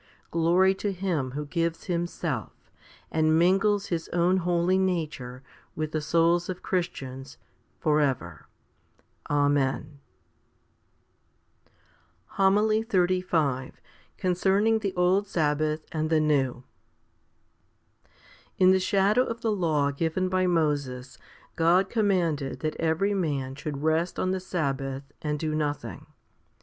1 Glory to Him who gives Himself, and mingles His own holy nature with the souls of Christians, for ever. Amen. 1 Ps. xvi. 5. HOMILY XXXV Concerning the old Sabbath and the new. 6 1. IN the shadow of the law given by Moses God com manded that every man should rest on the sabbath and do nothing.